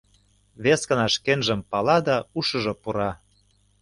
Вескана шкенжым пала да ушыжо пура...